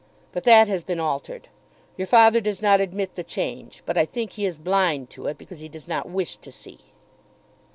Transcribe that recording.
But that has been altered. Your father does not admit the change; but I think he is blind to it, because he does not wish to see.